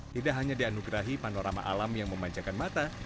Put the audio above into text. tidak hanya dianugerahi panorama alam yang memanjakan mata